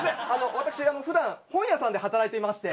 私普段本屋さんで働いていまして。